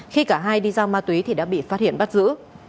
khi cả hai đi giao ma túy thì đã bị phát hiện bắt giữ